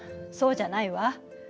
そうじゃないわ。